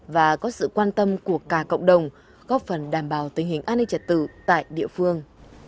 và có sự quan tâm của cả cộng đồng góp phần đảm bảo tình hình an ninh trật tự tại địa phương